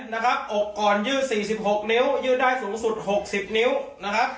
นะครับอกกรยื่นสี่สิบหกนิ้วยื่นได้สูงสุดหกสิบนิ้วนะครับ